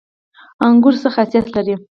انګور څه خاصیت لري؟